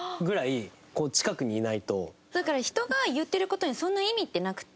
だから人が言ってる事にそんな意味ってなくて。